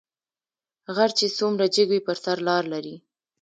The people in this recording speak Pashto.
غر چې څومره جګ وي په سر لار لري